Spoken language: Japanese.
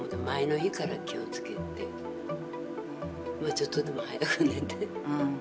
ちょっとでも早く寝て。